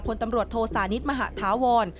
พลตำรวจโทสานิทมหาธาวร